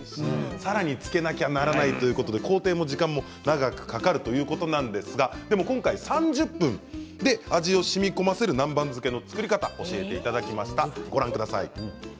さらに漬けなくちゃいけない工程も時間も長くかかるということででも今回３０分で味をしみこませる南蛮漬けの作り方を教えていただきました。